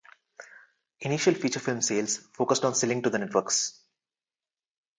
Initial feature film sales focused on selling to the networks.